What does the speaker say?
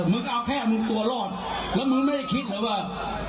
มึงเอาแค่ไทยตัวรอดมึงไม่เคยคิดนะว่า